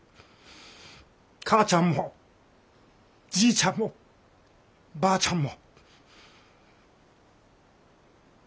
母ちゃんもじいちゃんもばあちゃんも。